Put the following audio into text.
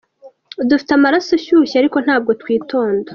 Dufite amaraso ashyushye ariko ntabwo twitonda.